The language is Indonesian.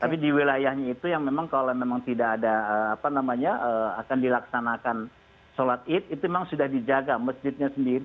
tapi di wilayahnya itu yang memang kalau memang tidak ada apa namanya akan dilaksanakan sholat id itu memang sudah dijaga masjidnya sendiri